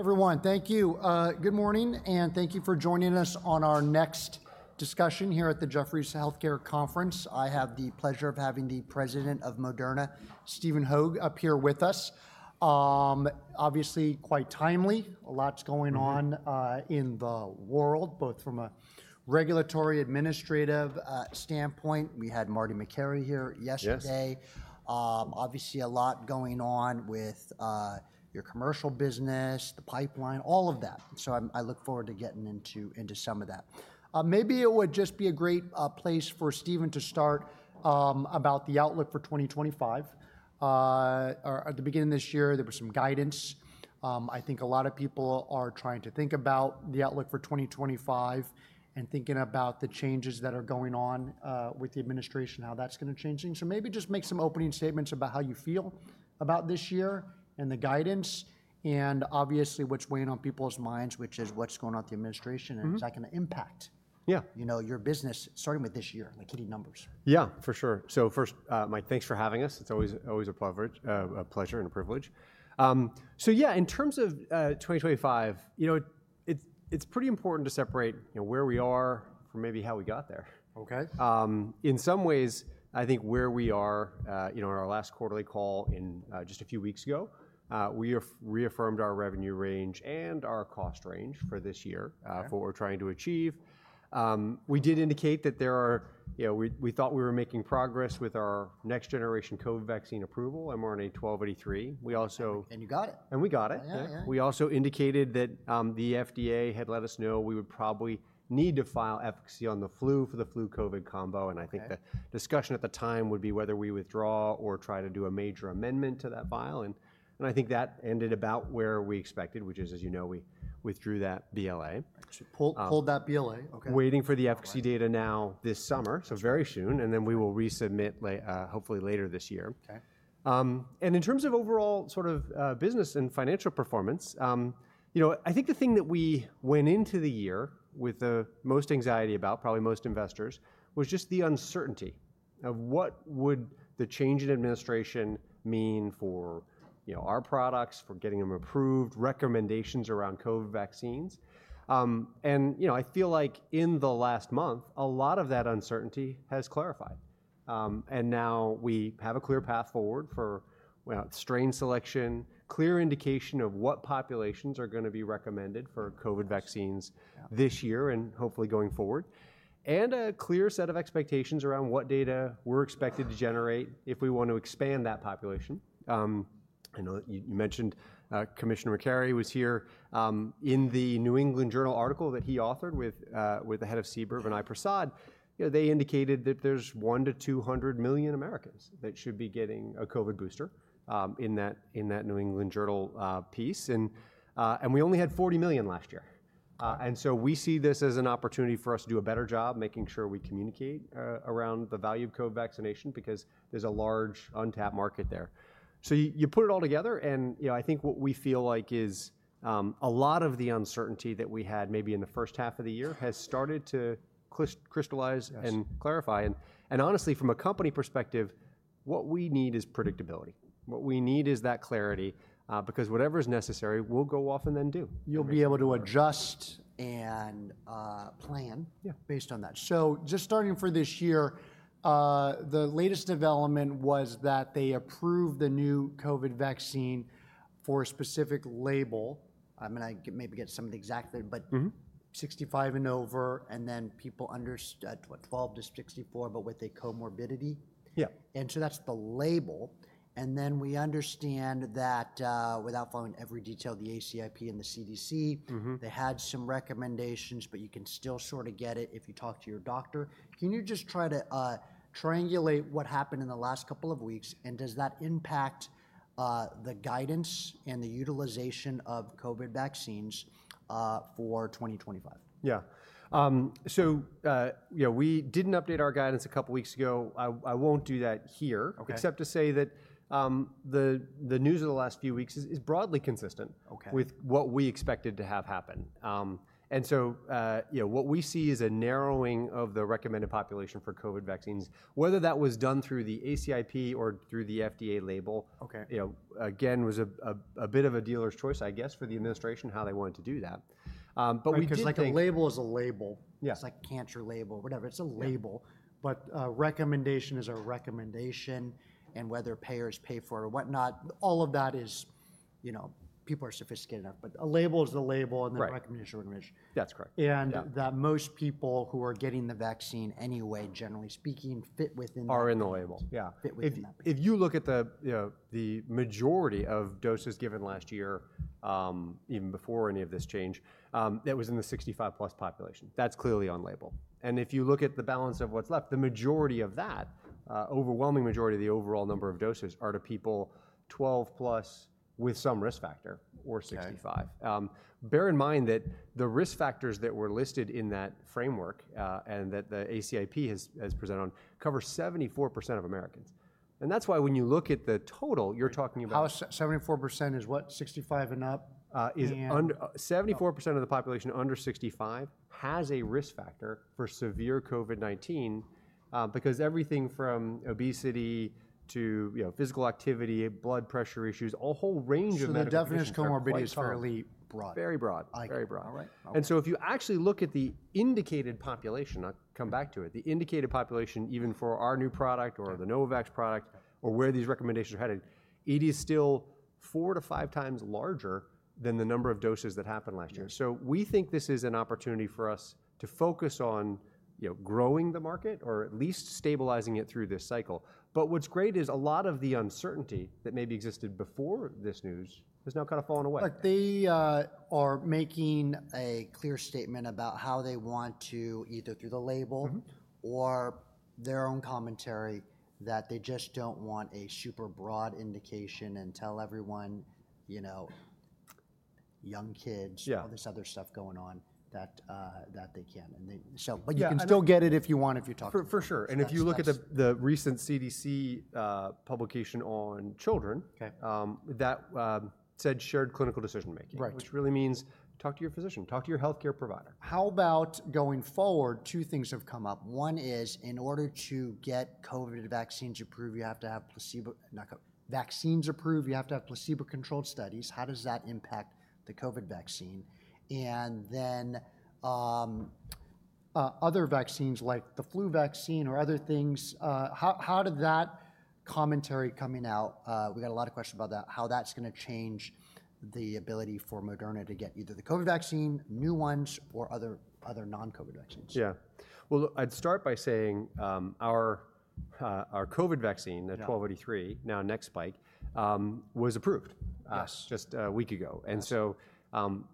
Hey, everyone. Thank you. Good morning, and thank you for joining us on our next discussion here at the Jefferies Healthcare Conference. I have the pleasure of having the President of Moderna, Stephen Hoge, up here with us. Obviously, quite timely. A lot's going on in the world, both from a regulatory, administrative standpoint. We had Marty Makary here yesterday. Obviously, a lot going on with your commercial business, the pipeline, all of that. I look forward to getting into some of that. Maybe it would just be a great place for Stephen to start about the outlook for 2025. At the beginning of this year, there was some guidance. I think a lot of people are trying to think about the outlook for 2025 and thinking about the changes that are going on with the administration, how that's going to change. Maybe just make some opening statements about how you feel about this year and the guidance, and obviously what's weighing on people's minds, which is what's going on with the administration and is that going to impact, you know, your business, starting with this year, like hitting numbers. Yeah, for sure. So first, Mike, thanks for having us. It's always a pleasure and a privilege. Yeah, in terms of 2025, you know, it's pretty important to separate where we are from maybe how we got there. In some ways, I think where we are, you know, in our last quarterly call just a few weeks ago, we reaffirmed our revenue range and our cost range for this year, for what we're trying to achieve. We did indicate that there are, you know, we thought we were making progress with our next generation COVID vaccine approval, and we're on a 1283. We also. You got it. We got it. We also indicated that the FDA had let us know we would probably need to file efficacy on the flu for the flu-COVID combo. I think the discussion at the time would be whether we withdraw or try to do a major amendment to that file. I think that ended about where we expected, which is, as you know, we withdrew that BLA. Actually pulled that BLA. Okay. Waiting for the efficacy data now this summer, so very soon. We will resubmit hopefully later this year. In terms of overall sort of business and financial performance, you know, I think the thing that we went into the year with the most anxiety about, probably most investors, was just the uncertainty of what would the change in administration mean for, you know, our products, for getting them approved, recommendations around COVID vaccines. You know, I feel like in the last month, a lot of that uncertainty has clarified. Now we have a clear path forward for strain selection, clear indication of what populations are going to be recommended for COVID vaccines this year and hopefully going forward, and a clear set of expectations around what data we're expected to generate if we want to expand that population. I know you mentioned Commissioner Makary was here in the New England Journal article that he authored with the head of Seabird, Vinay Prasad. You know, they indicated that there's 100-200 million Americans that should be getting a COVID booster in that New England Journal piece. And we only had 40 million last year. And we see this as an opportunity for us to do a better job making sure we communicate around the value of COVID vaccination because there's a large untapped market there. You put it all together, and, you know, I think what we feel like is a lot of the uncertainty that we had maybe in the first half of the year has started to crystallize and clarify. Honestly, from a company perspective, what we need is predictability. What we need is that clarity because whatever is necessary, we'll go off and then do. You'll be able to adjust and plan based on that. Just starting for this year, the latest development was that they approved the new COVID vaccine for a specific label. I mean, I can maybe get some of the exact thing, but 65 and over, and then people under 12 to 64, but with a comorbidity. Yeah. That's the label. We understand that without following every detail, the ACIP and the CDC, they had some recommendations, but you can still sort of get it if you talk to your doctor. Can you just try to triangulate what happened in the last couple of weeks, and does that impact the guidance and the utilization of COVID vaccines for 2025? Yeah. So, you know, we did not update our guidance a couple of weeks ago. I will not do that here, except to say that the news of the last few weeks is broadly consistent with what we expected to have happen. And so, you know, what we see is a narrowing of the recommended population for COVID vaccines, whether that was done through the ACIP or through the FDA label, you know, again, was a bit of a dealer's choice, I guess, for the administration how they wanted to do that. But we did not. Because like a label is a label. It's like cancer label, whatever. It's a label. Recommendation is a recommendation, and whether payers pay for it or whatnot, all of that is, you know, people are sophisticated enough. A label is a label, and then recommendation is a recommendation. That's correct. Most people who are getting the vaccine anyway, generally speaking, fit within the. Are in the label. Yeah. Fit within that. If you look at the majority of doses given last year, even before any of this change, that was in the 65-plus population. That's clearly on label. If you look at the balance of what's left, the majority of that, overwhelming majority of the overall number of doses are to people 12-plus with some risk factor or 65. Bear in mind that the risk factors that were listed in that framework and that the ACIP has presented on cover 74% of Americans. That's why when you look at the total, you're talking about. How 74% is what? 65 and up? 74% of the population under 65 has a risk factor for severe COVID-19 because everything from obesity to, you know, physical activity, blood pressure issues, a whole range of medications. The definition of comorbidity is fairly broad. Very broad. Very broad. If you actually look at the indicated population, I'll come back to it, the indicated population, even for our new product or the Novavax product or where these recommendations are headed, it is still four to five times larger than the number of doses that happened last year. We think this is an opportunity for us to focus on, you know, growing the market or at least stabilizing it through this cycle. What's great is a lot of the uncertainty that maybe existed before this news has now kind of fallen away. They are making a clear statement about how they want to either through the label or their own commentary that they just don't want a super broad indication and tell everyone, you know, young kids, all this other stuff going on that they can. You can still get it if you want if you talk to them. For sure. If you look at the recent CDC publication on children, that said shared clinical decision making, which really means talk to your physician, talk to your healthcare provider. How about going forward, two things have come up. One is in order to get COVID vaccines approved, you have to have placebo-controlled studies. How does that impact the COVID vaccine? And then other vaccines like the flu vaccine or other things, how did that commentary coming out, we got a lot of questions about that, how that's going to change the ability for Moderna to get either the COVID vaccine, new ones, or other non-COVID vaccines? Yeah. I would start by saying our COVID vaccine, the 1283, now NextGen, was approved just a week ago. That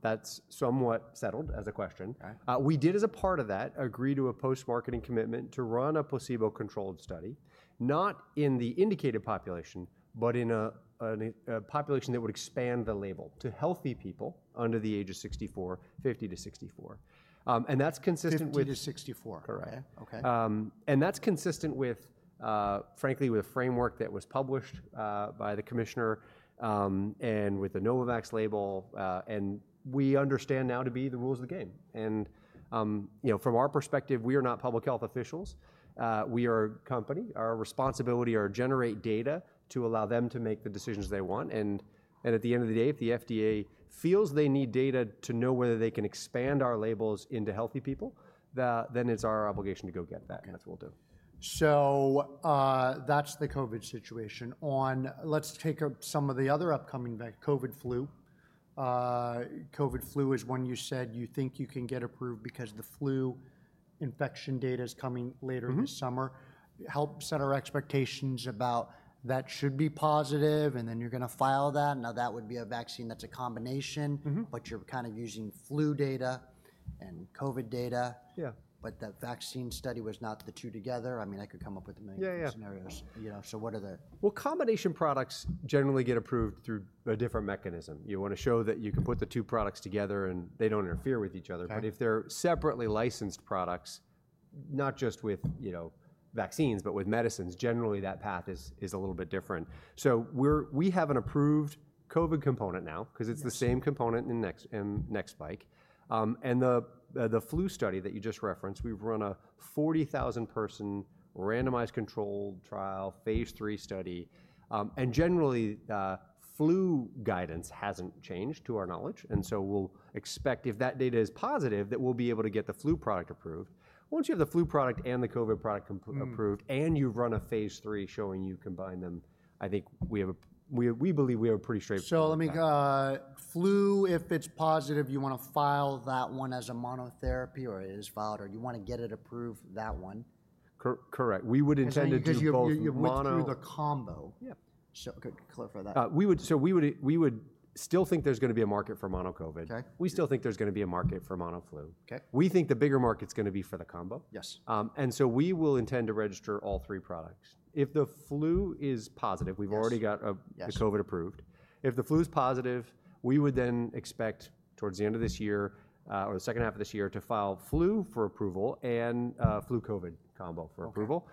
is somewhat settled as a question. We did, as a part of that, agree to a post-marketing commitment to run a placebo-controlled study, not in the indicated population, but in a population that would expand the label to healthy people under the age of 64, 50 to 64. That is consistent with. 50 to 64. Correct. That is consistent with, frankly, with a framework that was published by the Commissioner and with the Novavax label. We understand now to be the rules of the game. You know, from our perspective, we are not public health officials. We are a company. Our responsibility is to generate data to allow them to make the decisions they want. At the end of the day, if the FDA feels they need data to know whether they can expand our labels into healthy people, then it is our obligation to go get that. That is what we will do. That's the COVID situation. Let's take some of the other upcoming COVID flu. COVID flu is one you said you think you can get approved because the flu infection data is coming later this summer. Help set our expectations about that should be positive, and then you're going to file that. Now, that would be a vaccine that's a combination, but you're kind of using flu data and COVID data. That vaccine study was not the two together. I mean, I could come up with a million scenarios. You know, what are the. Combination products generally get approved through a different mechanism. You want to show that you can put the two products together and they do not interfere with each other. If they are separately licensed products, not just with, you know, vaccines, but with medicines, generally that path is a little bit different. We have an approved COVID component now because it is the same component in NextGen. The flu study that you just referenced, we have run a 40,000-person randomized controlled trial, phase 3 study. Generally, flu guidance has not changed to our knowledge. We will expect if that data is positive, that we will be able to get the flu product approved. Once you have the flu product and the COVID product approved and you have run a phase phase lll showing you combine them, I think we believe we have a pretty straightforward. Flu, if it's positive, you want to file that one as a monotherapy or it is filed, or you want to get it approved, that one? Correct. We would intend to do both. Because you went through the combo. Yeah. Clarify that. We would still think there's going to be a market for mono COVID. We still think there's going to be a market for mono flu. We think the bigger market's going to be for the combo. We will intend to register all three products. If the flu is positive, we've already got the COVID approved. If the flu is positive, we would then expect towards the end of this year or the second half of this year to file flu for approval and flu COVID combo for approval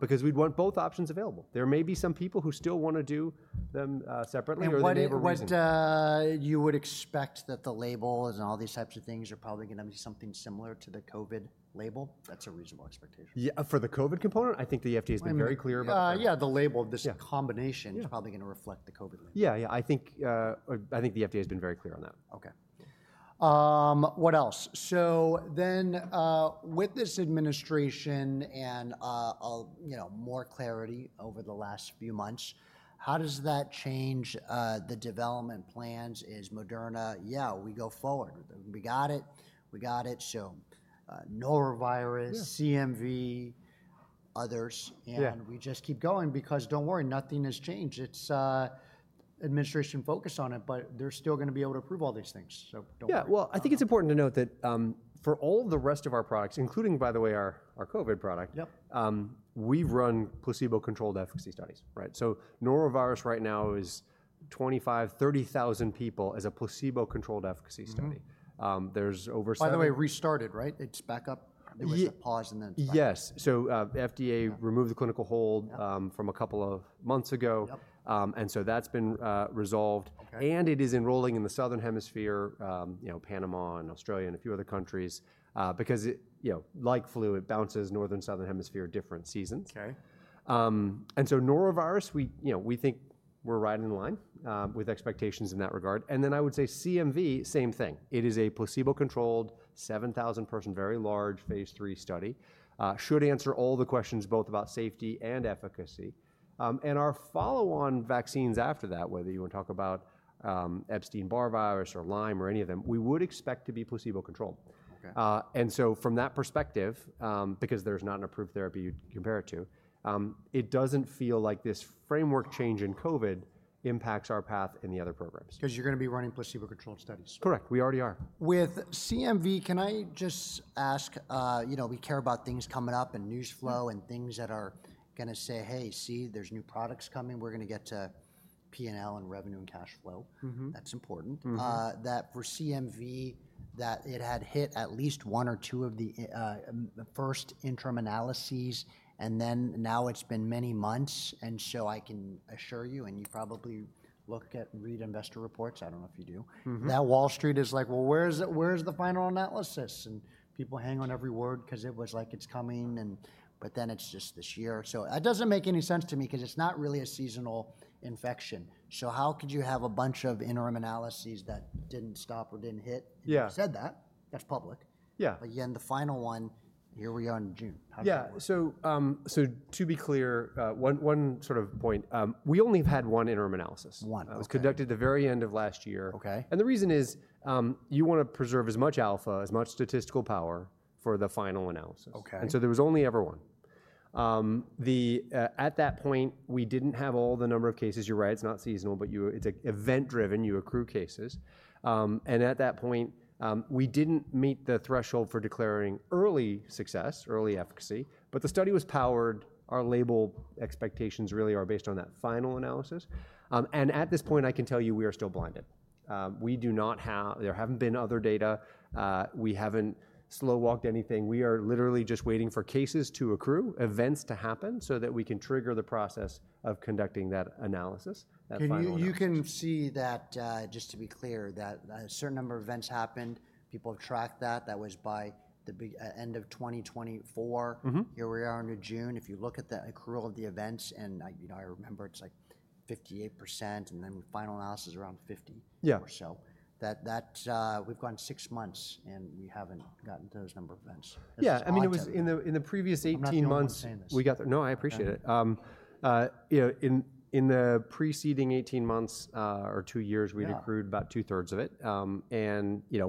because we'd want both options available. There may be some people who still want to do them separately or they've never received. What you would expect, that the labels and all these types of things are probably going to be something similar to the COVID label? That's a reasonable expectation. Yeah. For the COVID component, I think the FDA has been very clear about that. Yeah. The label, this combination is probably going to reflect the COVID label. Yeah. Yeah. I think the FDA has been very clear on that. Okay. What else? With this administration and, you know, more clarity over the last few months, how does that change the development plans? Is Moderna, yeah, we go forward. We got it. We got it. Norovirus, CMV, others. We just keep going because don't worry, nothing has changed. It's administration focused on it, but they're still going to be able to approve all these things. Don't worry. Yeah. I think it's important to note that for all the rest of our products, including, by the way, our COVID product, we've run placebo-controlled efficacy studies, right? Norovirus right now is 25,000-30,000 people as a placebo-controlled efficacy study. There's over. By the way, restarted, right? It's back up? It was a pause and then started. Yes. FDA removed the clinical hold from a couple of months ago. That has been resolved. It is enrolling in the southern hemisphere, you know, Panama and Australia and a few other countries because, you know, like flu, it bounces northern, southern hemisphere different seasons. Norovirus, we, you know, we think we're riding the line with expectations in that regard. I would say CMV, same thing. It is a placebo-controlled 7,000-person, very large phase 3 study. Should answer all the questions both about safety and efficacy. Our follow-on vaccines after that, whether you want to talk about Epstein-Barr virus or Lyme or any of them, we would expect to be placebo-controlled. From that perspective, because there's not an approved therapy you'd compare it to, it doesn't feel like this framework change in COVID impacts our path in the other programs. Because you're going to be running placebo-controlled studies. Correct. We already are. With CMV, can I just ask, you know, we care about things coming up and news flow and things that are going to say, hey, see, there's new products coming. We're going to get to P&L and revenue and cash flow. That's important. That for CMV, that it had hit at least one or two of the first interim analyses, and then now it's been many months. I can assure you, and you probably look at read investor reports, I don't know if you do, that Wall Street is like, well, where's the final analysis? People hang on every word because it was like it's coming, but then it's just this year. It doesn't make any sense to me because it's not really a seasonal infection. How could you have a bunch of interim analyses that didn't stop or didn't hit? You said that. That's public. Yeah. Again, the final one, here we are in June. Yeah. To be clear, one sort of point, we only have had one interim analysis. One. It was conducted at the very end of last year. The reason is you want to preserve as much alpha, as much statistical power for the final analysis. There was only ever one. At that point, we did not have all the number of cases. You're right, it's not seasonal, but it's event-driven. You accrue cases. At that point, we did not meet the threshold for declaring early success, early efficacy. The study was powered. Our label expectations really are based on that final analysis. At this point, I can tell you we are still blinded. We do not have, there have not been other data. We have not slow-walked anything. We are literally just waiting for cases to accrue, events to happen so that we can trigger the process of conducting that analysis. You can see that, just to be clear, that a certain number of events happened. People have tracked that. That was by the end of 2024. Here we are into June. If you look at the accrual of the events, and you know, I remember it's like 58%, and then final analysis around 50 or so. That we've gone six months and we haven't gotten to those number of events. Yeah. I mean, it was in the previous 18 months, we got there. No, I appreciate it. You know, in the preceding 18 months or two years, we'd accrued about two-thirds of it. And, you know,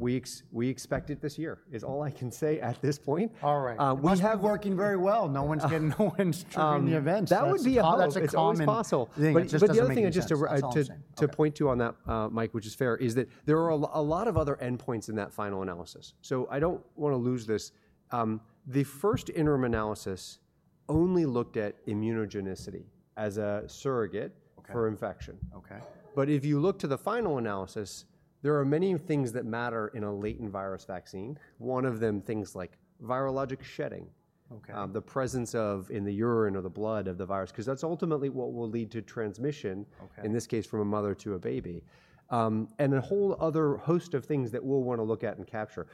we expect it this year is all I can say at this point. All right. We have working very well. No one's getting, no one's triggering the events. That would be a possible. The other thing I just to point to on that, Mike, which is fair, is that there are a lot of other endpoints in that final analysis. I do not want to lose this. The first interim analysis only looked at immunogenicity as a surrogate for infection. If you look to the final analysis, there are many things that matter in a latent virus vaccine. One of them, things like virologic shedding, the presence of in the urine or the blood of the virus, because that is ultimately what will lead to transmission, in this case, from a mother to a baby. A whole other host of things that we will want to look at and capture.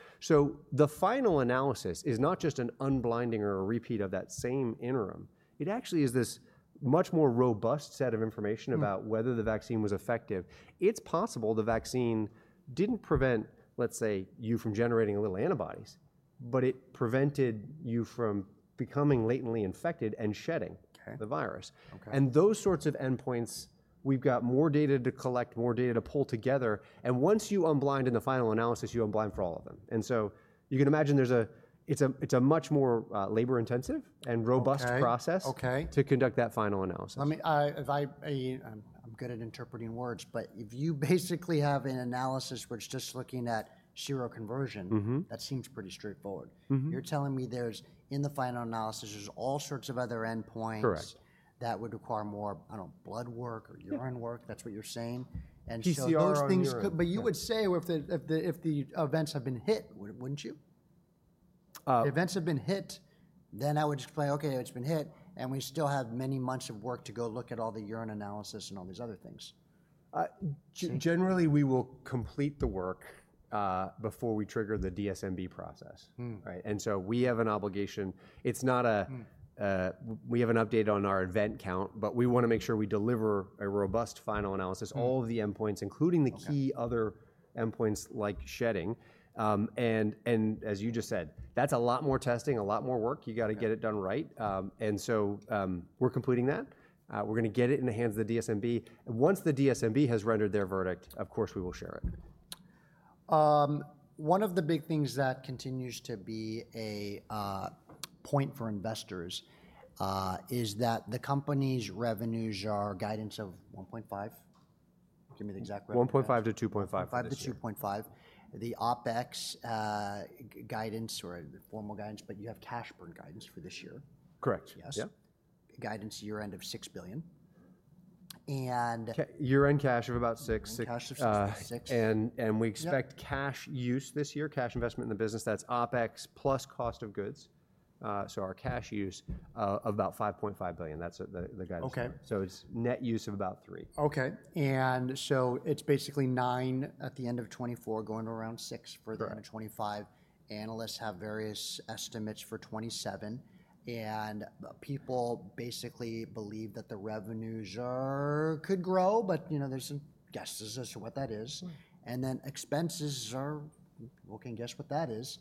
The final analysis is not just an unblinding or a repeat of that same interim. It actually is this much more robust set of information about whether the vaccine was effective. It's possible the vaccine didn't prevent, let's say, you from generating little antibodies, but it prevented you from becoming latently infected and shedding the virus. Those sorts of endpoints, we've got more data to collect, more data to pull together. Once you unblind in the final analysis, you unblind for all of them. You can imagine it's a much more labor-intensive and robust process to conduct that final analysis. I mean, I'm good at interpreting words, but if you basically have an analysis which is just looking at seroconversion, that seems pretty straightforward. You're telling me in the final analysis, there's all sorts of other endpoints that would require more, I don't know, blood work or urine work. That's what you're saying. Those things, but you would say if the events have been hit, wouldn't you? If events have been hit, I would explain, okay, it's been hit. We still have many months of work to go look at all the urine analysis and all these other things. Generally, we will complete the work before we trigger the DSMB process. We have an obligation. It's not a, we have an update on our event count, but we want to make sure we deliver a robust final analysis, all of the endpoints, including the key other endpoints like shedding. As you just said, that's a lot more testing, a lot more work. You got to get it done right. We are completing that. We're going to get it in the hands of the DSMB. Once the DSMB has rendered their verdict, of course, we will share it. One of the big things that continues to be a point for investors is that the company's revenues are guidance of $1.5. Give me the exact revenue. $1.5- $2.5. $1.5-$2.5. The OPEX guidance or formal guidance, but you have cash burn guidance for this year. Correct. Yes. Guidance year-end of $6 billion. Year-end cash of about $6 billion. Year-end cash of $6 billion. We expect cash use this year, cash investment in the business, that's OPEX plus cost of goods. Our cash use of about $5.5 billion, that's the guidance. It's net use of about $3 billion. Okay. And so it's basically nine at the end of 2024 going around six for 2025. Analysts have various estimates for 2027. And people basically believe that the revenues could grow, but you know, there's some guesses as to what that is. And then expenses are people can guess what that is.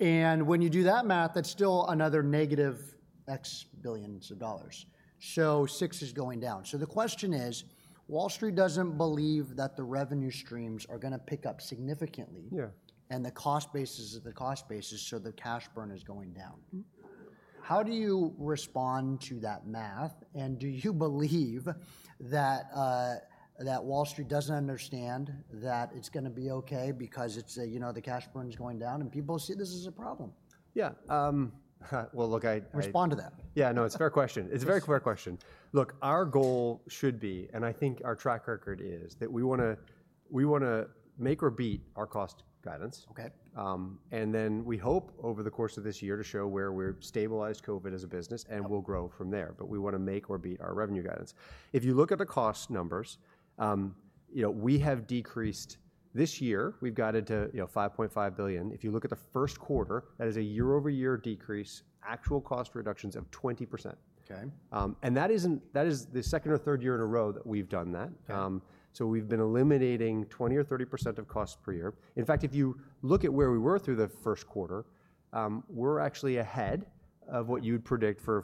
And when you do that math, that's still another negative X billions of dollars. So six is going down. The question is, Wall Street doesn't believe that the revenue streams are going to pick up significantly. And the cost basis is the cost basis, so the cash burn is going down. How do you respond to that math? And do you believe that Wall Street doesn't understand that it's going to be okay because it's, you know, the cash burn is going down and people see this as a problem? Yeah. Look, I. Respond to that. Yeah. No, it's a fair question. It's a very fair question. Look, our goal should be, and I think our track record is that we want to make or beat our cost guidance. And then we hope over the course of this year to show where we've stabilized COVID as a business and we'll grow from there. But we want to make or beat our revenue guidance. If you look at the cost numbers, you know, we have decreased this year. We've got it to, you know, $5.5 billion. If you look at the first quarter, that is a year-over-year decrease, actual cost reductions of 20%. And that is the second or third year in a row that we've done that. So we've been eliminating 20% or 30% of costs per year. In fact, if you look at where we were through the first quarter, we're actually ahead of what you'd predict for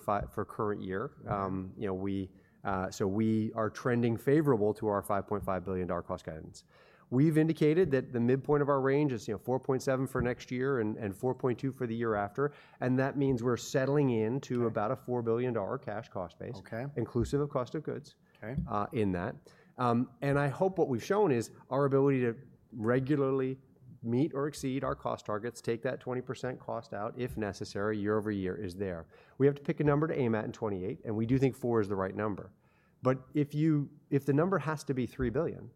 current year. You know, so we are trending favorable to our $5.5 billion cost guidance. We've indicated that the midpoint of our range is, you know, $4.7 billion for next year and $4.2 billion for the year after. That means we're settling into about a $4 billion cash cost base, inclusive of cost of goods in that. I hope what we've shown is our ability to regularly meet or exceed our cost targets, take that 20% cost out if necessary year over year is there. We have to pick a number to aim at in 2028, and we do think $4 billion is the right number. If the number has to be $3 billion,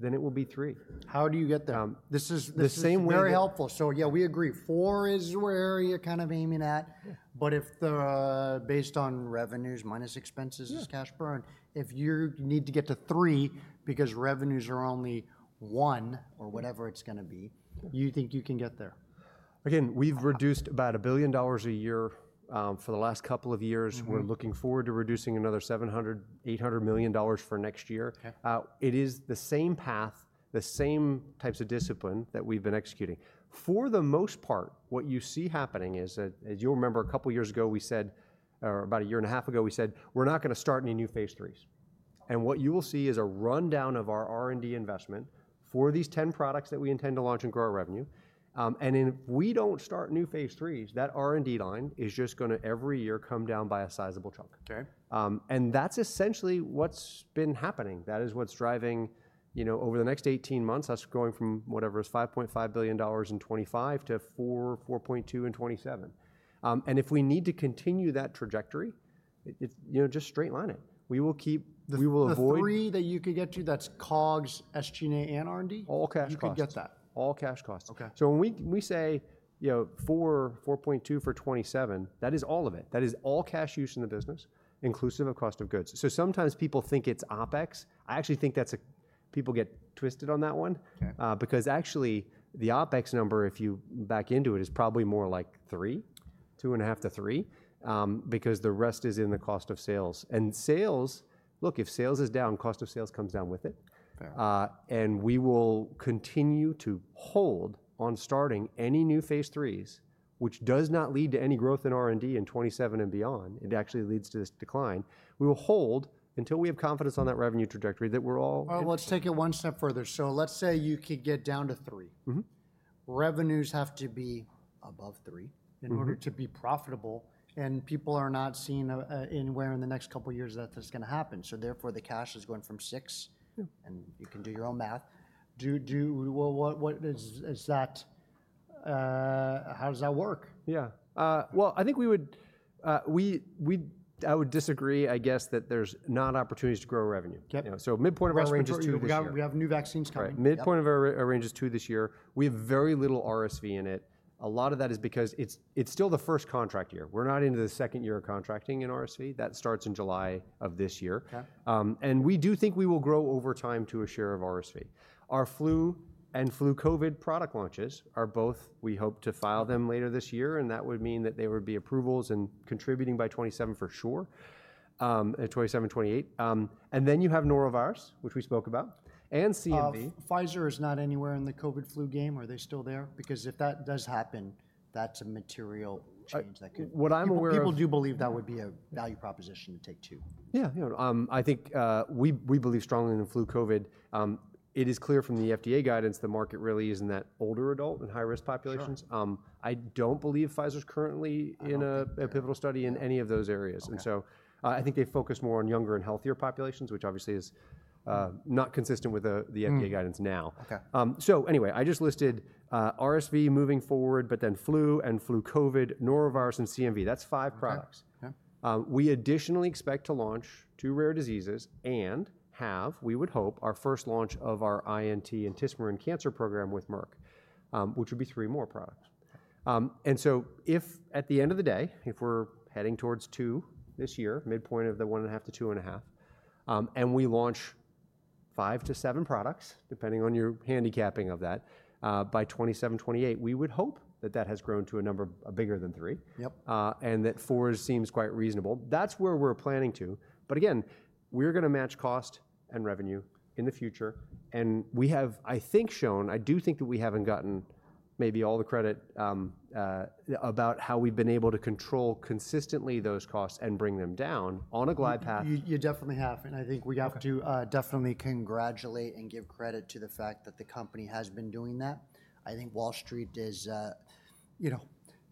then it will be $3 billion. How do you get there? This is the same way. Very helpful. Yeah, we agree. Four is where you're kind of aiming at. If the based on revenues minus expenses is cash burn, if you need to get to three because revenues are only one or whatever it's going to be, you think you can get there. Again, we've reduced about $1 billion a year for the last couple of years. We're looking forward to reducing another $700-$800 million for next year. It is the same path, the same types of discipline that we've been executing. For the most part, what you see happening is, as you'll remember, a couple of years ago, we said, or about a year and a half ago, we said, we're not going to start any new phase threes. What you will see is a rundown of our R&D investment for these 10 products that we intend to launch and grow our revenue. If we don't start new phase threes, that R&D line is just going to every year come down by a sizable chunk. That's essentially what's been happening. That is what's driving, you know, over the next 18 months, us going from whatever is $5.5 billion in 2025 to $4 billion-$4.2 billion in 2027. If we need to continue that trajectory, you know, just straight line it. We will keep. The three that you could get to, that's COGS, SG&A, and R&D? All cash costs. You could get that. All cash costs. So when we say, you know, $4 billion, $4.2 billion for 2027, that is all of it. That is all cash use in the business, inclusive of cost of goods. Sometimes people think it's OPEX. I actually think people get twisted on that one because actually the OPEX number, if you back into it, is probably more like $3 billion, $2.5 billion to $3 billion, because the rest is in the cost of sales. Sales, look, if sales is down, cost of sales comes down with it. We will continue to hold on starting any new phase III, which does not lead to any growth in R&D in 2027 and beyond. It actually leads to this decline. We will hold until we have confidence on that revenue trajectory that we're all. Let's take it one step further. Let's say you could get down to three. Revenues have to be above three in order to be profitable. People are not seeing anywhere in the next couple of years that this is going to happen. Therefore, the cash is going from six. You can do your own math. How does that work? Yeah. I think we would, I would disagree, I guess, that there's not opportunities to grow revenue. So midpoint of our range is $2 billion this year. We have new vaccines coming. Midpoint of our range is two this year. We have very little RSV in it. A lot of that is because it's still the first contract year. We're not into the second year of contracting in RSV. That starts in July of this year. We do think we will grow over time to a share of RSV. Our flu and flu COVID product launches are both, we hope to file them later this year. That would mean that there would be approvals and contributing by 2027 for sure, 2027, 2028. You have norovirus, which we spoke about, and CMV. Pfizer is not anywhere in the COVID flu game. Are they still there? Because if that does happen, that's a material change that could. What I'm aware. People do believe that would be a value proposition to take to. Yeah. You know, I think we believe strongly in flu COVID. It is clear from the FDA guidance that the market really is in that older adult and high-risk populations. I don't believe Pfizer's currently in a pivotal study in any of those areas. I think they focus more on younger and healthier populations, which obviously is not consistent with the FDA guidance now. I just listed RSV moving forward, but then flu and flu COVID, norovirus, and CMV. That's five products. We additionally expect to launch two rare diseases and have, we would hope, our first launch of our INT and Tismarin cancer program with Merck, which would be three more products. If at the end of the day, if we're heading towards $2 billion this year, midpoint of the $1.5 billion-$2.5 billion, and we launch five to seven products, depending on your handicapping of that, by 2027, 2028, we would hope that that has grown to a number bigger than three. That four seems quite reasonable. That is where we're planning to. Again, we're going to match cost and revenue in the future. We have, I think, shown, I do think that we haven't gotten maybe all the credit about how we've been able to control consistently those costs and bring them down on a glide path. You definitely have. I think we have to definitely congratulate and give credit to the fact that the company has been doing that. I think Wall Street is, you know,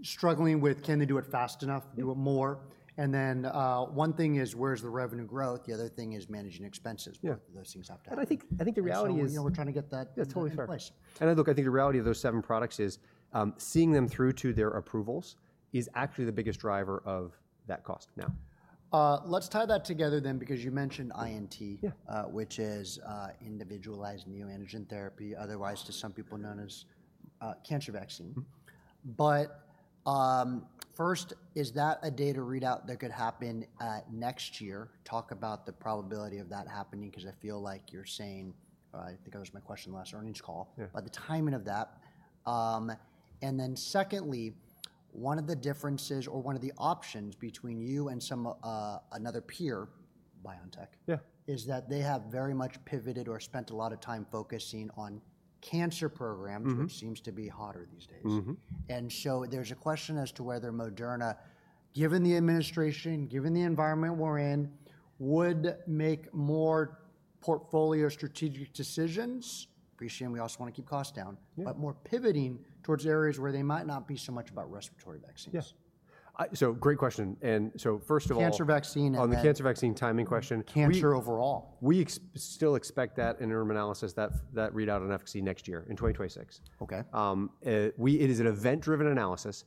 struggling with, can they do it fast enough, do it more. One thing is, where's the revenue growth? The other thing is managing expenses. Those things have to happen. I think the reality is. You know, we're trying to get that in place. I think the reality of those seven products is seeing them through to their approvals is actually the biggest driver of that cost now. Let's tie that together then because you mentioned INT, which is individualized neoantigen therapy, otherwise to some people known as cancer vaccine. First, is that a data readout that could happen next year? Talk about the probability of that happening because I feel like you're saying, I think that was my question last earnings call, about the timing of that. Secondly, one of the differences or one of the options between you and another peer, BioNTech, is that they have very much pivoted or spent a lot of time focusing on cancer programs, which seems to be hotter these days. There is a question as to whether Moderna, given the administration, given the environment we're in, would make more portfolio strategic decisions. Appreciate it. We also want to keep costs down, but more pivoting towards areas where they might not be so much about respiratory vaccines. Yes. Great question. First of all. Cancer vaccine. On the cancer vaccine timing question. Cancer overall. We still expect that in our analysis, that readout on efficacy next year in 2026. It is an event-driven analysis.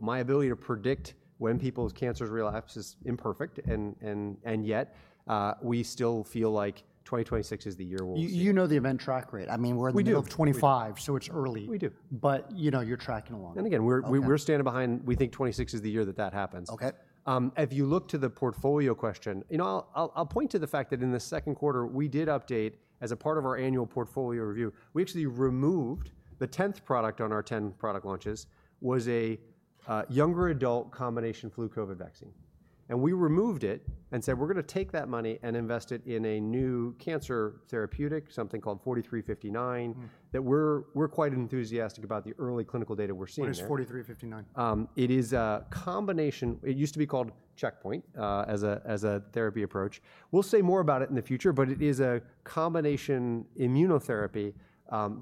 My ability to predict when people's cancers relapse is imperfect. Yet, we still feel like 2026 is the year we'll see. You know the event track rate. I mean, we're in the middle of '25, so it's early. We do. You know, you're tracking along. Again, we're standing behind. We think '26 is the year that that happens. If you look to the portfolio question, you know, I'll point to the fact that in the second quarter, we did update as a part of our annual portfolio review. We actually removed the 10th product on our 10 product launches was a younger adult combination flu COVID vaccine. We removed it and said, we're going to take that money and invest it in a new cancer therapeutic, something called 4359, that we're quite enthusiastic about the early clinical data we're seeing there. What is 4359? It is a combination. It used to be called Checkpoint as a therapy approach. We'll say more about it in the future, but it is a combination immunotherapy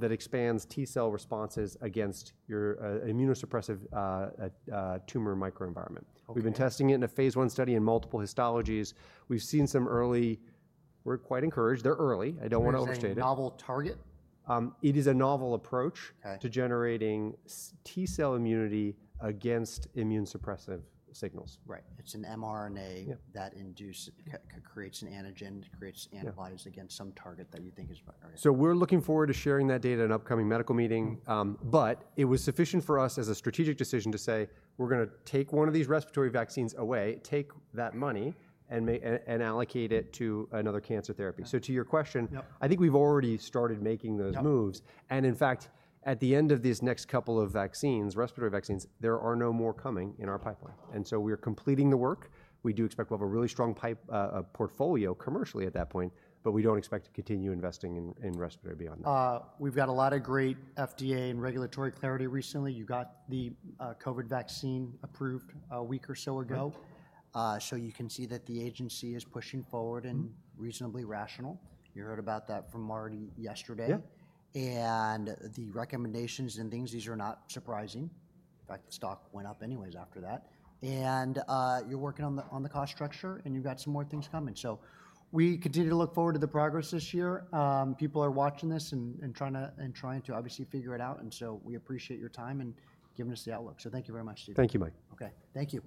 that expands T cell responses against your immunosuppressive tumor microenvironment. We've been testing it in a phase one study in multiple histologies. We've seen some early, we're quite encouraged. They're early. I don't want to overstate it. Is it a novel target? It is a novel approach to generating T-cell immunity against immunosuppressive signals. Right. It's an mRNA that creates an antigen, creates antibodies against some target that you think is very important. We're looking forward to sharing that data in an upcoming medical meeting. It was sufficient for us as a strategic decision to say, we're going to take one of these respiratory vaccines away, take that money, and allocate it to another cancer therapy. To your question, I think we've already started making those moves. In fact, at the end of these next couple of vaccines, respiratory vaccines, there are no more coming in our pipeline. We're completing the work. We do expect we'll have a really strong portfolio commercially at that point, but we don't expect to continue investing in respiratory beyond that. We've got a lot of great FDA and regulatory clarity recently. You got the COVID vaccine approved a week or so ago. You can see that the agency is pushing forward and reasonably rational. You heard about that from Marty yesterday. The recommendations and things, these are not surprising. In fact, the stock went up anyways after that. You're working on the cost structure and you've got some more things coming. We continue to look forward to the progress this year. People are watching this and trying to obviously figure it out. We appreciate your time and giving us the outlook. Thank you very much, Steve. Thank you, Mike. Okay. Thank you.